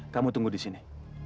kamu tunggu disini